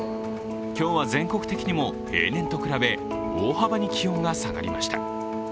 今日は全国的にも平年と比べ、大幅に気温が下がりました。